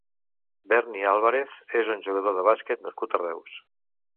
Berni Álvarez és un jugador de bàsquet nascut a Reus.